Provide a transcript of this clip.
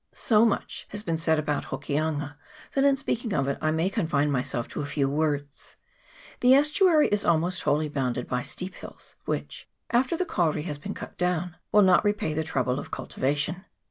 So much has been said about Hokianga, that in speaking of it I may confine myself to a few words. The estuary is almost wholly bounded by steep hills, which, after the kauri has been cut down, will not repay the trouble of cultivation.